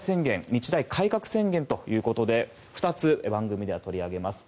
日大改革宣言ということで２つ、番組では取り上げます。